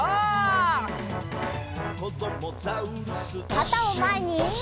かたをまえに！